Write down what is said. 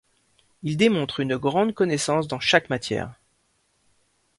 Il démontre une grande connaissance dans chaque matière.